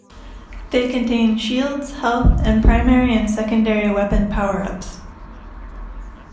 They contain shields, health and primary and secondary weapon power-ups.